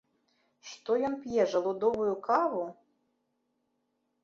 Што ён п'е жалудовую каву?